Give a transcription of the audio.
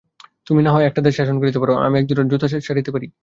তুমি না হয় একটা দেশ শাসন করিতে পার, আমি একজোড়া জুতা সারিতে পারি।